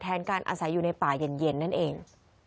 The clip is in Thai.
การอาศัยอยู่ในป่าเย็นนั่นเอง